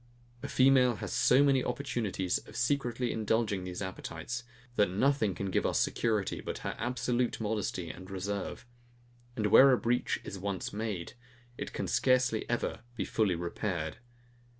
A female has so many opportunities of secretly indulging these appetites, that nothing can give us security but her absolute modesty and reserve; and where a breach is once made, it can scarcely ever be fully repaired.